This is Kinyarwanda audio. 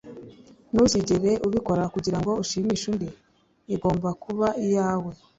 Ntuzigere ubikora kugirango ushimishe undi. Igomba kuba iyawe.